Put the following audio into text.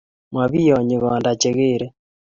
Ma piyonyi konda che keerei.